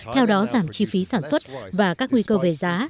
theo đó giảm chi phí sản xuất và các nguy cơ về giá